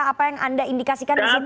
apa yang anda indikasikan di sini